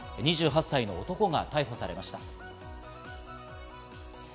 ２８歳の男が逮捕されました。